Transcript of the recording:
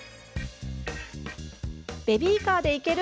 「ベビーカーで行ける？